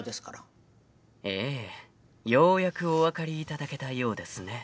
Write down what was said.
［ええようやくお分かりいただけたようですね］